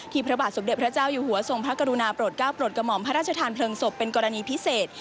พระบาทสมเด็จพระเจ้าอยู่หัวทรงพระกรุณาโปรดก้าวโปรดกระหม่อมพระราชทานเพลิงศพเป็นกรณีพิเศษ